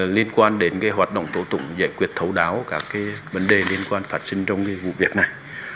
liên quan đến cái hoạt động tổ tụng giải quyết thấu đáo các cái vấn đề liên quan phát sinh trong cái vụ việc này